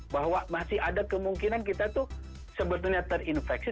bahwa masih ada kemungkinan kita tuh sebetulnya terinfeksi